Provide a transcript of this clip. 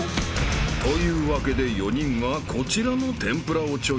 ［というわけで４人はこちらの天ぷらをチョイス］